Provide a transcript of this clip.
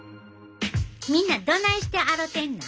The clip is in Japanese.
みんなどないして洗てんの？